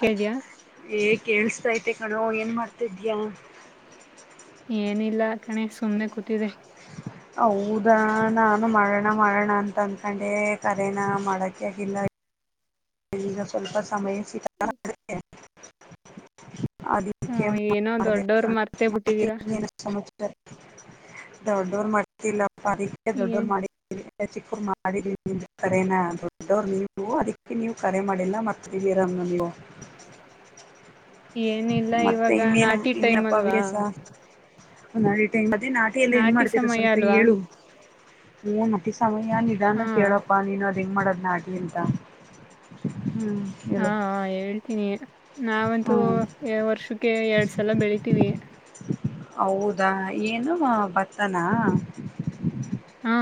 ಕೇಳ್ದ್ಯಾ ಎ ಕೇಳಿಸ್ತೈತೆ ಕಣೋ ಏನು ಮಾಡ್ತಿದ್ಯಾ ಏನಿಲ್ಲ ಕಣೆ ಸುಮ್ನೆ ಕೂತಿದೆ ಹ ಹೌದಾ ನಾನು ಮಾಡೋಣ ಮಾಡೋಣ ಅಂತ ಅಂದಕೊಂಡೆ ಕರೆನ್ ಮಾಡಕ ಆಗಿಲ್ಲ ಇದಗ ಸ್ವಲ್ಪ ಸಮಯ ಸಿಕ್ಕಲ ಅದ ಆ, ಏನೋ ಮಾಡತ ದೊಡ್ಡೋರ್ ಮರ್ತೇ ಬಿಟ್ಟಿದೀರಾ ಸಮ ದೊಡ್ಡವ್ರು ಮಾಡ್ತಿಲ್ಲ ಪಾರೀ ದೊಡ್ಡೋರ್ ಏನ್ ಮಾಡ ಚಿಕ್ಕರು ಮಾಡಿದ ಕರನ ದೊಡ್ಡರು ನೀವು ಅದಿಕ್ಕೆ ನೀವು ಕರೆ ಮಾಡಿಲ್ಲ ಮರ್ತವಿರ ನಲ್ಲಿ ಏನಿಲ್ಲ ಮತ್ತೆ ಇವಾಗ ಇನ್ನೇನ ನಾಟಿ ಟೈಮ್ ಇನ್ನಯಪ್ಪ ಅಲ್ವಾ ವ್ಯಾಸ ಒ ನಾಳೆ ಟೈಮ್ ಮತ್ತೆ ನಾಟಿಯ ಎಲ್ಲ ಏನ್ ನಾಟಿ ಮಾಡ್ತರ ಸಮಯ ಸ್ವಲ್ಪ ಅಲ್ವಾ ಏಳು ಹ ಸಮಯ ಹಾ ನಿಧಾನ ಕೇಳಪ್ಪಾ ನೀನು ಅದು ಹೆಂಗೆ ಮಾಡೋದು ನಾಟಿ ಅಂತ ಹ್ಮ್ ಹಾ ಹೇಳು ಹಾ ಹೇಳ್ತೀನಿ ನಾ ನಾವಂತೂ ಹ್ಮ್ ವರ್ಷಕ್ಕೆ ಎರಡ್ ಸಲ ಬೆಳಿತೀವಿ ಅ ಏನು ಭತ್ತನಾ ಹಾ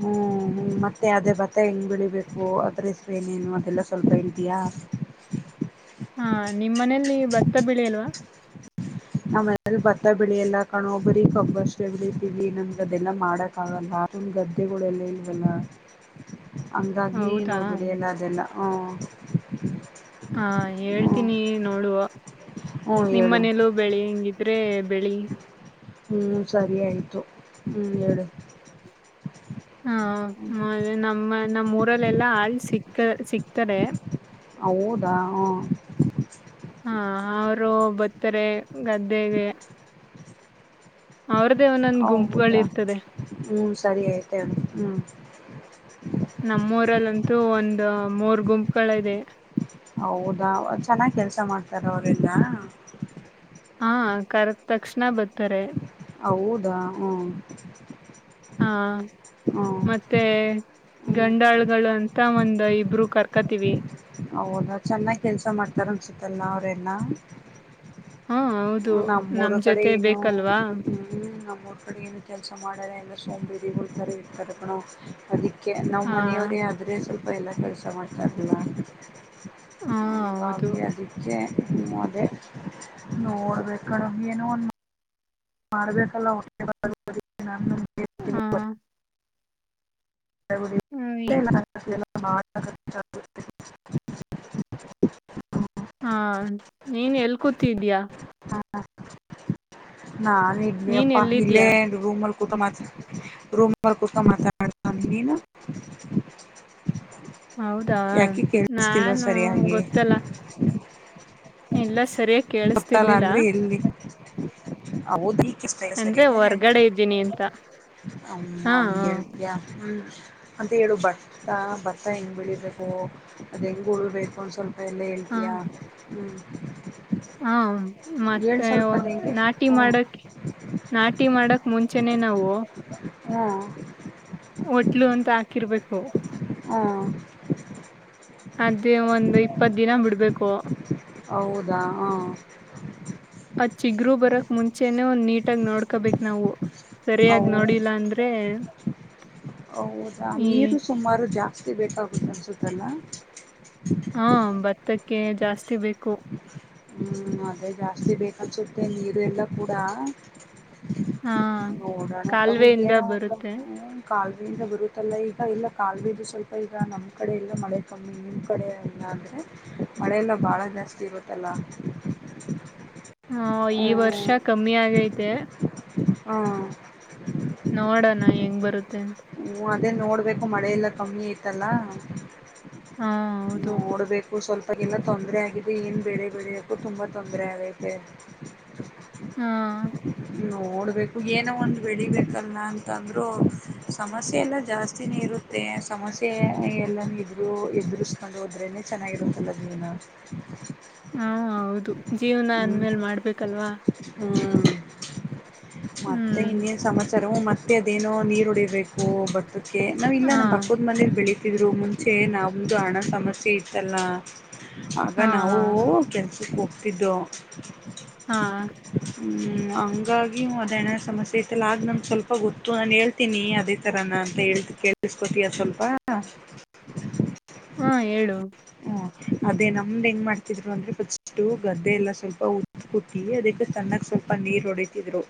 ಹ್ಮ್ ಮತ್ತೆ ಅದೇ ಭತ್ತ ಹೆಂಗೆ ಬೆಳಿಬೇಕು ಅದರ್ ಹೆಸರ್ ಏನೇನು ಅದೆಲ್ಲ ಸ್ವಲ್ಪ ಹೇಳತಿಯ ಹಾ ಹಾ ನಿಮ್ ಮನೇಲಿ ಭತ್ತ ಬೆಳಿಲ್ವಾ ನಮ್ಮಲಿ ಭತ್ತ ಬೆಳಿ ಯಲ್ಲ ಕಣೊ ಬರಿ ಕಬ್ಬು ಅಷ್ಟೆ ಬೆಳಿತೀವಿ ಏಂನ್ದ್ರ ಅದೆಲ್ಲ ಮಾಡಕ್ ಆಗಲ್ಲ ನಮ್ಮ ಗದ್ದೆಗಳ ಎಲ್ಲೆವನ್ ಹಂಗಾಗಿ ಹೌದಾ ನಾವ್ ಬೇಳಿಯಲ್ಲ ಅದನ್ನ ಹ ಹಾ ಹೇಳ್ತೀನಿ ನೋಡುವ ಹ್ಞೂ ನಿಮ್ಮ ಹೇಳು ಮನೇಲ್ಲೂ ಬೆಳಿಂಗಿದ್ರೆ. ಬೆಳಿ ಹ್ಮ್ ಸರಿ ಆಯ್ತು ಹ್ಮ್ ಹೇಳು ಹಾ ಮೆ ನಮ್ಮ ನಮ್ಮ್ ಊರಲ್ಲೆಲ್ಲಾ ಆಳ್ ಸಿಕ್ಕ ಸಿಕ್ತಾರೆ ಹೌದಾ ಹಾ ಅವರು ಭತ್ತರೆ ಗದ್ದೆಗೆ ಅವ್ರದೇ ಒಂದೊಂದ್ ಗುಂಪುಗಳು ಹೌದಾ ಇರ್ತದೆ ಹ್ಮ್ ಸರಿ ಆಐತೆ ಹ್ಮ್ ನಮ್ಮೂರಲ್ಲಂತೂ ಒಂದ ಮೂರ್ ಗುಂಪುಗಳ ಇದೆ ಹೌದಾ ಚೆನ್ನಾಗ್ ಕೆಲ್ಸ ಮಾಡ್ತಾರ ಅವ್ರಲ್ಲ ಹಾ ಕರೆದ ತಕ್ಷಣ ಬರ್ತಾರೆ. ಹೌದಾ ಹ್ಮ ಹಾ ಹ್ಮ್ ಮತ್ತೆ ಹ್ಮ್ ಗಂಡಾಳ್ಗಳು ಅಂತ ಒಂದ ಇಬ್ರು ಕರ್ಕತಿವಿ ಹೌದಾ ಚೆನ್ನಾಗಿ ಕೆಲಸ ಮಾಡ್ತಾರೆ ಅನ್ಸುತ್ತಲ್ಲ ಅವರೆಲ್ಲ. ಹಾ ಹೌದು ಹ್ಮ ನಮ್ಮೂರ ನಮ್ ಕಡೆ ಜೊತೆ ಏನು ಬೇಕಲ್ವಾ ಹ್ಮ್ ಮಳ ಏನು ಕೆಲಸ ಮಾಡಾರ ಎಲ್ಲ ಸೋಂಬರಿ ಗಳ ತಾರೆ ಇರ್ತಾರೆ ಅದಿ ಕೆ ನಾವು ಹಾ ಮನೆಯವರೇ ಆದರೆ ಸ್ವಲ್ಪ ಎಲ್ಲ ಕೆಲಸ ಮಾಡ್ತಾರಲ್ಲ ಹಾ ಹೌದು ಹಿಂಗಾಗಿ ಅದಿಕ್ಕೆ ಸುಮನೆ ಅದೇ ನೋಡ್ಬೇಕ ಕಣೋ ಏನು ಒಂದ್ ಮಾಡ್ಬೇಕಲ್ಲ ಒ ನ [unintelligible] ಹ್ಮ [inaudible] ಸಮ [unintelligible] ಹಾ ನೀನ್ ಎಲ್ ಕೂತಿದ್ಯಾ ನಾನ್ ಇದಿನಿ ನೀನ್ ಅಪ್ಪಾ ಇಲ್ಲೇ ಎಲ್ಲಿದ್ಯಾ ರೂಮಲ್ ಕುತಕ್ ಮಾತ ರೋಮರ್ ಕುತ್ಕೊಂಡು ಮಾತಡ್ತ ನೀ ಹೌದಾ ಯಾಕೆ ಕೇಳಿಸ್ತಿಲ್ವ ನಾನು ಸರಿಯಾಗಿ ಗೊತ್ತಲ್ಲ ಇಲ್ಲ ಸರಿಯಾಗಿ ಗತ್ತಲ್ಲ ಕೇಳಿಸ್ತಿರ್ಲಿಲ್ಲ ಅಂದ್ರೆ ಎಲ್ಲಿ ಹೌದಿ ಅಂದ್ರೆ ಸರಿದೆ ಹ ಹೊರ್ಗಡೆ ಇದ್ದೀನಿ ಅಂತ ಹಾ ಹಾ [unintelligible] ಹ್ಮ ಮತ್ತ ಹೇಳು ಭತ್ತ ಭತ್ತ ಹೆಂಗ ಬೆಳಿಬೇಕು ಅದು ಹೆಂಗೆ ಉಬೇಕು ಒಂದು ಸ್ವಲ್ಪ ಹಾ ಲಕಿಯ ಹ್ಞ ಹಾ ಮತ್ತೆ ಹೆಂಗೆ ನಾಟಿ ಹ್ಞೂ ಮಾಡಕ್ ನಾಟಿ ಮಾಡಕ್ ಮುಂಚೆನೆೇ ನಾವು ಹು ಹೋಟ್ಲು ಅಂತ ಹಾಕಿರ್ಬೇಕು ಹಾ ಅದೇ ಒಂದು ಇಪ್ಪತ್ ದಿನ ಬಿಡ್ಬೇಕು. ಹೌದಾ ಹಾ ಅದ್ ಚಿಗರು ಬರಕ್ ಮುಂಚೆನೆ ಒಂದ್ ನೀಟಾಗಿ ನೋಡ್ಕಬೇಕು ನಾವು ಸರಿಯಾಗಿ ಹೌದು ನೋಡಿಲ್ಲ ಅಂದ್ರೆ. ಹೌದಾ ಈ ನೀರು ಸುಮಾರು ದು ಜಾಸ್ತಿ ಬೇಕಾಗುತ್ತೆ ಅನ್ಸುತ್ತಲ್ಲ ಹಾ ಭತ್ತಕ್ಕೆ ಜಾಸ್ತಿ ಬೇಕು ಅ ಜೊತೆ ನೀರು ಎಲ್ಲ ಕೂಡ ಹಾ ಗೋಡಾನ ತಗ ಕಾಲುವೆಯಿಂದ ಇನ ಮ ಹ ಬರುತ್ತೆ ಕಲ್ ಂದ ಬರುತ್ತಲ್ಲ ಈಗ ಇಲ್ಲ ಕಾ ಬೀಜು ಸ್ವಲ್ಪ ಈಗ ನಮ್ಮ್ ಕಡೆ ಇಲ್ಲ ಮಳೆ ಕಮ್ಮಿ ನಿಮ್ ಕಡೆ ಇಲ್ಲ ಅಂದ್ರೆ ಮಳೆಲ್ಲ ಬಾಳ ಜಾಸ್ತಿ ಇರುತ್ತಲ್ಲ ಹಾ ಈ ವರ್ಷ ಕಮ್ಮಿ ಆಗೈತೆ ಹಾ ನೋಡಣ ಹೆಂಗ್ ಬರುತ್ತೆ ಅಂತ ಅೇ ನೋಡ್ಬೇಕು ಮಳೆ ಎಲ್ಲ ಕಮ್ಮಿ ಐತಲ್ಲ ಹಾ ಹೌದು ನೋಡ್ಬೇಕು ಸ್ವಲ್ಪ ಇಾಗೆಲ್ಲಾ ತೊಂದ್ರರೆ ಆಗಿದೆ ಏನ್ ಬಳ ಬಳಕು ತುಂಬಾ ತೊಂದರೆ ಆಗೈತೆ ಹಾ ನೀ ನೋಡ್ಬೇಕು ಏನ ಒಂದು ಬೆಳಿಬೇಕಲ್ಲ ನ ಯಂದ್ರರು ಸಮಸ್ಯೆ ಎಲ್ಲ ಜಾಸ್ತಿನೇ ಇರುತ್ತೆ ಸಮಸ್ಯೆ ಎಲ್ಲ ಇದ್ರು ಬಿಡಿಸ್ಕೊಂಡು ಹೋದ್ರೇ ಚೆನ್ನಾಗಿರುತ್ತ ಲಗ್ನನ ಹ್ಮ ಹೌದು ಜೀವನ ಅಂದ್ಮೇಲ್ ಮಾಡ್ಬೇಕಲ್ವಾ ಹ್ಮ್ ಮತ್ತೆ ಹ್ಮ್ ಇನ್ನಿನ ಸಮಾಚಾರವು ಮತ್ತೆ ಮತ್ತೆ ಅದೇನೋ ನೀರು ಹೊಡಿರ್ಬೇಕು ಬಟ್ಟಕ್ಕೆ ನಾವ ಇಲ್ಲ ಹಾ ನಾ ಬಕದ್ ಮನೇಲಿ ಬೆಳಿ ಇದೂ ಮುಂಚೆ ನಾದು ಹಣ ಸಮಸ್ಯೆ ಇತ್ತಲ್ಲ ಆಗ ಹಾ ನಾವು ಕೆಲ್ ಕು ಕುಪ್ಪಿದ ಹಾ ಹಂಗಾಗೂ ಅದಣ್ಣ ಸಮಸ್ಯೆ ಐತೆಲ್ಲ ಆಗ ನಮ್ಗೆ ಸ್ವಲ್ಪ ಅಪ್ಪ ಗೊತ್ತು ನಾನು ಹೇಳ್ತೀನಿ ಅದೇ ತರಾನ ಅಂತ ಹ ಕೇಳಿಸ್ಕೊತಯ ಸ್ವಲ್ಪ ಹ ಹಾ ಹೇಳು ಅದೇ ನಮ್ದ್ ಹೆಂಗ್ ಮಾಡ್ತಿದ್ರು ಅಂದ್ರೆ ಫಸ್ಟ್ ಗದ್ದೆ ಎಲ್ಲ ಸ್ವಲ್ಪ ಉ ಕುಟ್ಟಿ ಅದಕ್ಕೆ ತಣ್ಣಾಗಲ್ ತುಪ್ಪ ನೀರ್ ಹೊಡಿತಿದ್ರು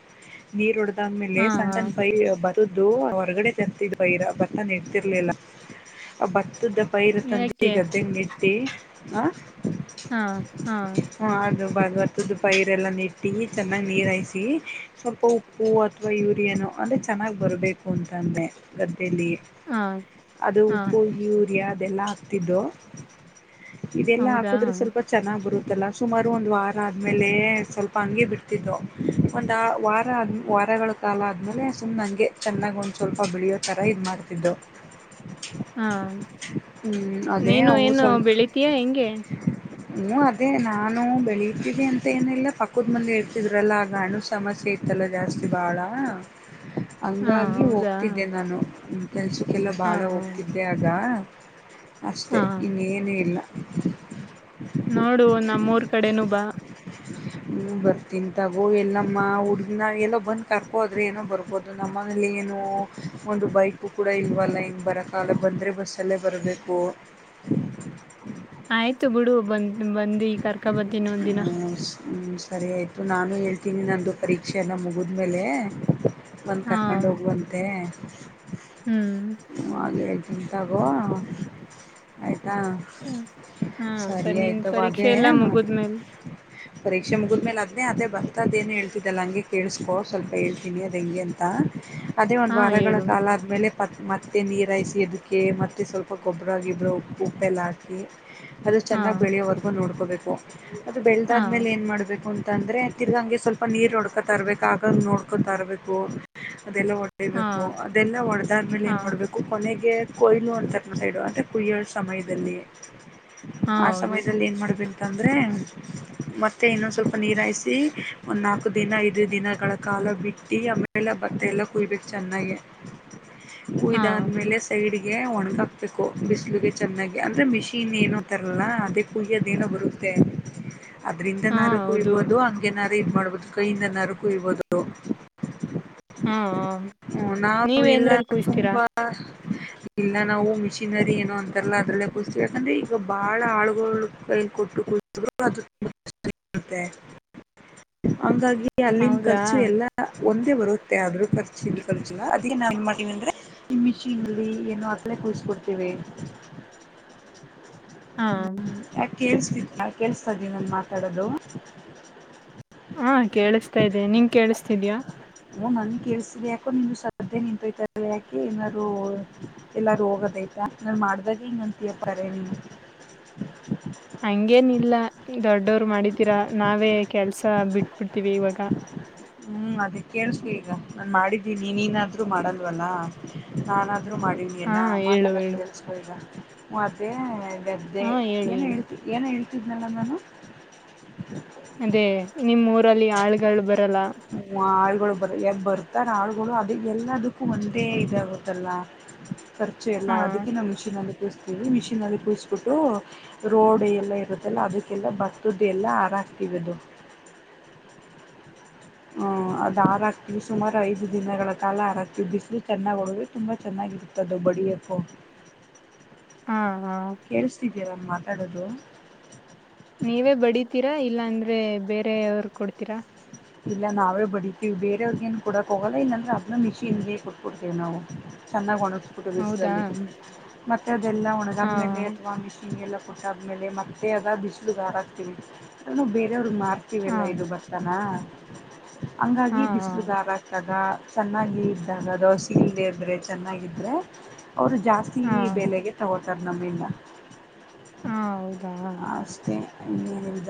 ನೀರು ಹೊಡೆದಾದ್ಮೇಲೆ ಹಾ ಹಾ ಸಂತನ್ ಬದುದು ಹೊರಗಡೆ ತಂತಿದ್ದ ಬೈರ ಭತ್ತ ನಿಡ್ತಿರ್ಲಿಲ್ಲ ಆ ಭತ್ತದ ಪೈರುತ್ತಂದ ಯಾಕೆ ಈಗದ ನಟ್ಟಿ ಹ ಹಾ ಹಾ ದು ಭಾಗವತದ ಪೈರೆ ಎಲ್ಲ ನೆಟ್ಟಿ ಚೆನ್ನಾಗಿ ನೀರ ಹಾಯಿಸಿಿ ಸ್ವಲ್ಪ ಉಪ್ಪು ಅಥವಾ ಯೂರಿಯಾನ ಅಂದೆ ಚೆನ್ನಾಗಿ ಬರಬೇಕು ಅಂತ ಅಂದೆ ಗದ್ದ ಲ್ಲಿ ಹಾ ಅದು ಹಾ ಉಪ್ಪು ಯೂರಿಯಾ ಅದೆಲ್ಲ ಹಾಕ್ತಿದ್ದು ಇದೆಲ್ಲಾ ಹೌದಾ ಹಾಕುದ್ರೆ ಸ್ವಲ್ಪ ಚೆನ್ನಾಗರು ಲ್ಲ ಸುಮಾರು ಒಂದು ವಾರ ಆದ್ಮೇಲೆ ಸ್ವಲ್ಪ ಹಂಗಗೆ ಬಿಡ್ತಿದ್ದವು ಒಂದ ವಾರ ಆದಾರ ಮರಗಳು ಕಾಲ ಆದಮೇಲೆ ಸುಮ್ಮ್ಂಗೆ ಚೆನ್ನಾಗಿ ಒಂದು ಸ್ವಲ್ಪ ಬೆಳಿಯೋ ಥರ ಇದು ಮಾಡ್ತಿದ್ದವು ಹಾ ಅದೇ ನೀನು ಅವು ಏನು ಬೆಳಿತೀಯಾ ಹೆಂಗೆ ಹ್ಞೂ ಅದೇ ನಾನು ಬೆಳೀತಿದ್ದಿ ಅಂತ ಏನಿಲ್ಲ ಪಕ್ಕದ ಮುಂದೆ ಇರ್ತಿದ್ರಲ್ಲ ಆಗ ಹಣ್ಣು ಸಮಸ್ಯೆ ಇತ್ತು ಲ್ಲ ಜಾಸ್ತಿ ಬಾಳ ಹಾ ಹಂಗಾಗಿ ಹೌದಾ ಹೋಗ್ತಿದ್ದೆ ನಾನು ಕೆಲಸಕ್ಕೆಲ್ಲ ಹಾ ಭಾಳ ಹಾ ಹೋಗ್ತಿದ್ದೆ ಆಗ ಅಷ್ಟೆ ಹಾ ಇನ್ನೇನು ಇಲ್ಲ ನೋಡು ನಮ್ಮೂರ್ ಕಡೆನು ಬಾ ಹ ಬರ್ತಾಗೋ ಎಲ್ಲಮ್ಮ ಹುಡ್ಗನ ಎಲ್ಲೋ ಬಂದ್ ಕರ್ಕೋದು ಏನೋ ಬರಬಹುದು ನಮ್ಮ ಏನು ಒಂದು ಬೈಕ್ ಕೂಡ ಇಲ್ವಲ್ಲ ಇನ್ ಬರಾಲ ಬಂದ್ರೆ ಬಸ್ ಸಲೆ ಬರಬೇಕು ಆಯ್ತು ಬಿಡು ಬಂದ್ ಬಂದಿ ಕರ್ಕ ಬರ್ತಿನ ಒಂದ ದಿನ ಹ್ಞೂ ಸರಿ ಆಯಿತು ನಾನು ಹೇಳ್ತೀನಿ ನನ್ನದು ಪರೀಕ್ಷೆಯನ್ನು ಮುಗಿದ್ಮೇಲೆ ಬಂದು ಹಾ ಕರ್ಕೊಂಡು ಹೋಗುವಂತೆ ಹ್ಮ್ ಹಾಗೆ ತಗೋುವ ಆಯ್ತು ಹಾ ಹಾ ಪ ಸರಿ ನಿನ್ ಆಯ್ತ ಪರೀಕ್ಷೆ ಅದೇ ಎಲ್ಲಾ ಮುಗುದ್ಮೇಲ್ ಪರೀಕ್ಷೆ ಮುಗಿದ್ಮೇಲೆ ಅದ್ಅದೇ ಬರ್ತದೇ ಹೇಳ್ತಿದಲ್ಲ ಹಂಗೆ ಕೇಳಸ್ಕೋ ಸ್ವಲ್ಪ ಹೇ ತಿನಿದಂಗಿ ಅಂತ ಅದೇ ಒಂದು ಹಾ ವಾರಗಳ ಹೇಳು ಕಾಲ ಆದ್ಮೇಲೆ ಪತ್ ಮತ್ತುತ್ತೆ ನೀರಾಯಿಸಿ ಇದದಕ್ಕೆ ಮತ್ತುತ್ತ ಸ್ವಲ್ಪ ಗೊಬ್ಬರವಾಗಿ ಇಬ್ಬರು ಉ ಉಪ್ಪೆಲ್ಲ ಹಾಕಿ ಅದು ಹಾ ಚೆನ್ನಾಗ್ ಬೆಳೆಯೋವರೆಗೂ ನೋಡ್ಕೋಬೇಕು ಅದು ಹಾ ಬೆಳೆದಾದ್ಮೇಲೆ ಏನ್ ಮಾಡ್ಬೇಕು ಅ ಅಂತಂದ್ರೆ ತಿರ್ಗಂಗೆ ಸ್ವಲ್ಪ ನೀರ್ ನೋಡ್ಕೊತಾ ಇರ್ಬೇಕು ಆಗ ನೋಡ್ಕೊತಾ ಇರ್ಬೇಕು ಅದೆಲ್ಲ ಹೊಡೇಬೇಕು ಹಾ ಅದೆಲ್ಲ ಒಡೆದಾದ್ಮೇಲೆ ಹಾ ಏನ್ ಮಾಡ್ಬೇಕು ಕೊನೆಗೆ ಕೊಯ್ಲು ಅಂತಾರೆ ನ ಸೈಡು ಅಂದರೆ ಕುಯ್ಯೋಳ ಸಮಯದಲ್ಲಿ ಹಾ ಆ ಹೌದು ಸಮಯದಲ್ಲಿ ಏನು ಮಾಡಬೇಕು ಅಂತಂದ್ರೆ ಮತ್ತೆ ಇನ್ನೊಂದು ಸ್ವಲ್ಪ ನೀರಾಯಿಸಿ ಒಂದ್ ನಾಲ್ಕು ದಿನ ಐದು ದಿನಗಳ ಕಾಲ ಬಿಟ್ಟಿ ಆಮೇಲೆ ಭತ್ತ ಎಲ್ಲ ಕುಯ್ಬೇಕು ಚೆನ್ನಾಗಿ ಹಾ ಕುಯ್ದಾದ್ಮೇಲೆ ಸೈಡ್ಗೆ ಗೆ ಒಣಗಾಕ್ಬೇಕು ಬಿಸಿಲುಗೆ ಚೆನ್ನಾಗಿ ಅಂದರೆ ಮಿಷಿನ್ ಏನು ತರಲ್ಲ ಅದೇ ಕುಯ್ಯೋದೇನೋ ಬರುತ್ತೆ ಅದ್ರಿಂದ ಹಾ ನಾರಕ್ಕೂ ಹೌದು ಇರ್ಬೋದು ಹಂಗೆನಾರು ಇದ ಮಾಡ್ಬೋದು ಕೈಯಿಂದ ನಾರಕ್ಕೂ ಇರ್ಬೋದು ಹಾ ಹಾ ಹ್ಮ ನಾವು ಎಲ್ಲ ನೀವೇಂದ್ರಲ್ಲಿ ಕೂಯಿಸ್ತೀರಾ ತುಂಬಾ ಇಲ್ಲ ನಾವು ಮಿಷಿನರಿ ಏನೋ ಅಂತಾರಲ್ಲ ಅದ್ರಲ್ಲೇ ಕುತೀವಿ ಯಾಕಂದ್ರೆ ಈಗ ಬಾಳ ಆಳುಗಳು ಕ ಕೊಟ್ಟು ಹಾಗಿ ಅಲ್ಲಿನ್ ಹೌದಾ ಖರ್ಚು ಎಲ್ಲ ಒಂದೇ ಬರುತ್ತೆ ಆದ್ರ ಖರ್ಚ ಖರ್ಚುಲ್ಲ ಅದ ನಾನ್ನ್ ಮಾಡೀನ ಅಂದ್ರೆ ಈ ಮಿಚಿನ್ಲ್ನು ಅತ್ತಲೇ ಕುದಿಸಕೊಡ್ತೇವೆ ಹಾ ಕೇಳ್ಸತ ಕೇಳ್ಸ್ತಾ ಇದೀ ನನ್ ಮಾತಾಡೋದು ಹಾ ಕೇಳಿಸತಾ ಇದ್ದನೆ ನೀನ್ ಕೇಳಿಸ್ತಿದಯಾ ಹ ನನ್ ಕೇಳ್ಸ ಯಾಕೋ ನಿಮ ಸದ್ದೆ ನಿಂತಯ್ತ ಯಾಕೆ ಏನಾದ್ರು ಎಲ್ಲಾರು ಹೋಗದೇ ಆಯ್ತಾ ನಾನು ಮಾಡ್ದಾಗ ಹಂಗಂತಿಯಪ್ಪಾರೆ ನೀ ಹಂಗೇನ ಇಲ್ಲ ದೊಡ್ಡವರು ಮಾಡಿದ್ದೀರಾ ನಾವೇ ಕೆಲ್ಸ ಬಿಟ್ಬಿಡ್ತೀವಿ ಇವಾಗ ಹ್ಮ್ ಅದೇ ಕೇಳಸ ಈಗ ನಾನು ಮಾಡಿದ್ದೀನಿ ನೀ ನೀನಾದ್ರೂ ಮಾಡಲ್ವಲ್ಲ ನಾನಾದ ಇ ಮಾಡೀ ಹಾ ಲ್ಲ ಹೇಳು ಮಾತಾಗೋದ ಹೇಳು ಕೇಳಸ್ಕೊಗ ಮತ್ತು ದ್ದೆ ಹಾ ಹೇಳು ಏನ್ ಹೇಳು ಹೇಳ್ತ ಏನ್ ಹೇಳ್ತಿದ್ನಲ್ಲ ನಾನು ಅದೇ ನಿಮ್ಮ್ ಊರಲ್ಲಿ ಆಳುಗಳು ಬರಲ್ಲ ಆಳುಗಳು ಬ ಬರ್ತಾರೆ ಆಳುಗಳು ಅದ ಎಲ್ಲದಕ್ಕೂ ಒಂದೇ ಇದಾಗುತ್ತಲ್ಲ ಖರ್ಚೆ ಎಲ್ಲ ಹಾ ಅದಕ್ಕೆ ನಮ್ಮಿಷೀನ್ಲ್ ಕ್ತವಿ ಮಿಷನ್ಲ್ಲಿ ಕೂಸ್ಬಿಟ್ಟು ರೋಡ್ ಎಲ್ಲ ಇರುತ್ತಲ್ಲ ಅದಕ್ಕೆಲ್ಲ ಬತ್ತದ ಎಲ್ಲ ಆರಾಮ ದು ಹ ಅದು ಹಾಕ್ತಿವಿ ಸುಮಾರು ಐದು ದಿನಗಳ ಕಾಲ ಹರಾಕ್ತೀವಿ ಬಿಸಿಲು ಚೆನ್ನಾಗಿ ಹೋದ್ರೆ ತುಂಬಾ ಚೆನ್ನಾಗಿರುತ್ತೆ ದೊಬ್ಬಟ್ಟ ಪ್ಪ [inaudible] ಹಾ ಹಾ ಏನಾದ್ರು ಮಾತಾಡೋದು ನೀವೇ ಬಡಿತೀರಾ ಇಲ್ಲ ಅಂದ್ರೆ ಬೇರೆವ್ರ ಕೊಡ್ತೀರಾ ಇಲ್ಲ ನಾವೇ ಬಡತೀವಿ ಬೇರೆಯವ್ರಗೇನು ಕೊಡಕ್ಕೆ ಹೋಗೋಲ್ಲ ಇಲ್ಲಂದರೆೆ ಅದೂ ಮಿಷಿನ್ಗೆ ಕೊಟ್ಕೊಡ್ತೇವಿ ನಾವು ಚೆನ್ನಾಗಿ ಒಣಗಿಸ್ಬಿಟ್ಟು ಹೌದಾ ಬಿಸದಲ್ಲಿ ಮತ್ತುತ್ತ ಅದೆಲ್ಲ ಹಾ ಒಣಗಮ್ಮ ಮೇಲೆ ಅಥವಾ ಮಿಷಿನ್ಗೆಲ್ಲ ಕೊಟ್ಟ ಆದ್ಮೇಲೆ ಮತ್ತೆ ಅದ ಬಿಸಿಲು ದಾರ ಆಗ್ತವಿ ಅದ ಬೇರೆಯವ್ರ ಮ ಹಾ ಹಾಕಿವಲ್ಲ ಇದು ಬರ್ತಾನ ಹಾ ಹಂಗಾಗಿ ಬಿಸಿಲುದಾರ ಚದ ಚೆನ್ನಾಗಿ ಇದ್ದಾಗ ದೋಸೆಲ್ ಬರೆ ಚೆನ್ನಾಗಿದ್ದರೆ ಅವರು ಜಾಸ್ತಿ ಹಾ ಹಾ ಬೆಲೆಗೆ ತಗೋತಾರೆ ನಮ್ಮಿಂದ ಹಾ ಹೌದಾ ಅಷ್ಟೇ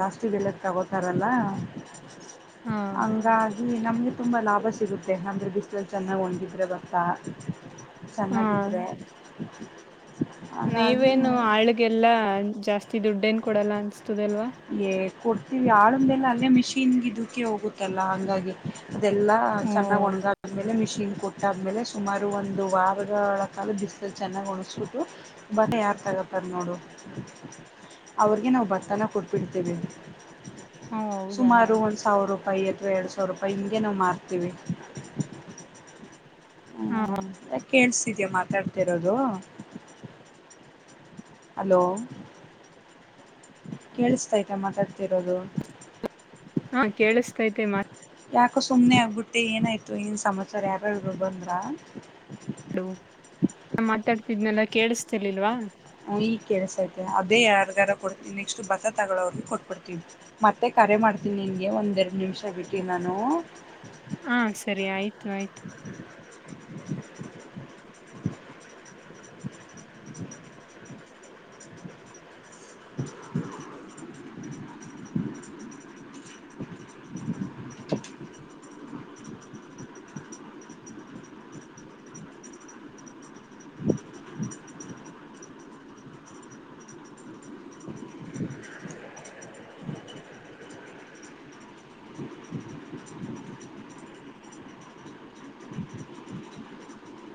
ಜಾಸ್ತಿ ಬೆಲೆಕ್ಕೆ ತಗೋತಾರಲ್ಲ ಹಾ ಹಂಗಾಗಿ ನಮ್ಗೆ ತುಂಬಾ ಲಾಭ ಸಿ ಸಿಗುತ್ತೆ ಅಂದರೆ ಬಿಸಲ್ಲಿ ಚೆನ್ನಾಗಿ ಒಣಗಿದ್ರರೆ ಬತ್ತಾ ಹಾ ಚೆನ್ನಾಗಿದ್ರೆ ಹ ನೀವೇನು ಆಳ್ಗೆಲ್ಲಾ ಜಾಸ್ತಿ ದುಡ್ಡ ನ್ ಕೊಡಲ್ಲ ಅನ್ಸ್ತದಲ್ವಾ ಏ ಕೊಡ್ತೀವಿ ಆಡ್ಲ್ಲ ಅಲ್ಲೇ ಮಿಷಿನ್ಗೆ ಕ್ಕೆ ಹೋಗುತ್ತಲ್ಲ ಹಂಗಾಗಿ ಅದೆಲ್ಲ ಓ ಚೆನ್ನಾಗ್ ಒಣಗಾದ್ಮೇಲೆ ಮಿಷಿನ್ ಕೊಟ್ಟಾದ್ಮೇಲೆ ಸುಮಾರು ಒಂದು ವಾರ ಕಾಲ ಬಿಸ್ಲು ಚೆನ್ನಾಗ್ ಒಣಸ್ಬಿಟ್ಟು ಬಟ್ಟ ಯಾರ ತಗ ನೋಡು ಅವ್ರಿಗೆ ನಾವು ಭತ್ತನ ಕೊಟ್ಬಿಡ್ತೇವಿ ಹಾ ಹೌದಾ ಸಾವ ರೂಪಾಯಿ ಅಥವಾ ಎರಡ್ ಸಾವಿರ ರೂಪಾಯಿ ಹಂಗೆ ನಾವವು ಮಾಡ್ತೀವಿ ಹಾ ಕೇಳ್ಸಿದೀ ಮಾತಾಡ್ತಿರೋದು ಹಲೋ ಕೇಳಿಸ್ತಾಯ್ತಾ ಮಾತಾಡ್ತಿರೋದು ಹಾ ಕೇಳಿಸತೈತೆ ಮಾ ಯಾಕೋ ಸುಮ್ಮನೆ ಆಗ್ಬಿಟ್ಟು ಏನಾಯ್ತು ಏನು ಸಮಾಚಾರ ಯಾರಾರರು ಬಂದ್ರಾ ಹ ನಾ ಮಾತಾಡ್ತಿದ್ನೆಲ್ಲ ಕೇಳಿಸತಿಲಿಲ್ವಾ ಈಗ್ ಕೆಲ್ಸ ಐತೆ ಅದೇ ಯಾರಗಾರ ಕೊಡ್ತ ನೆಕ್ಸ್ಟ್ ಬತ್ತ ತಗೋಗ ಕೊಟ್ ಕೊಡ್ತೀವಿ ಮತ್ತೆ ಕರೆ ಮಾಡ್ತೀನಿ ನಿನಗೆ ಒಂದೆರಡು ನಿಮಿಷ ಬಿಟ್ಟು ನಾನು ಹಾ ಸರಿ ಆಯ್ತು ಆಯ್ತು.